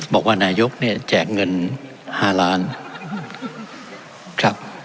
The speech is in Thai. บอกว่านายกเนี่ยแจกเงิน๕ล้านครับ